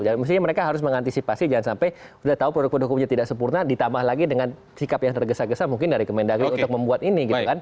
maksudnya mereka harus mengantisipasi jangan sampai sudah tahu produk produk hukumnya tidak sempurna ditambah lagi dengan sikap yang tergesa gesa mungkin dari kemendagri untuk membuat ini gitu kan